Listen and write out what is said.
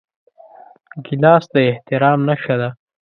ګیلاس د احترام نښه ده.